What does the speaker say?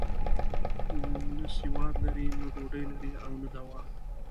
نه سواد لري، نه ډوډۍ لري او نه دوا.